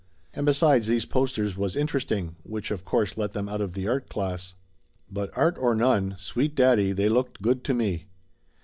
And besides, these posters was in teresting, which of course let them out of the art class. But art or none, sweet daddy, they looked good to me